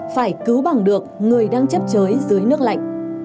phải cứu bằng được người đang chấp chới dưới nước lạnh